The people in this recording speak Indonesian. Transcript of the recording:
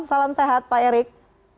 salam sehat pak erick